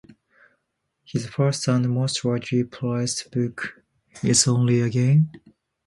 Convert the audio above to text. His first and most widely praised book is Only a Game?